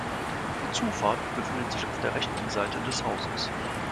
Die Zufahrt befindet sich auf der rechten Seite des Hauses.